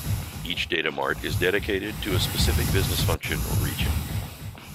Each data mart is dedicated to a specific business function or region.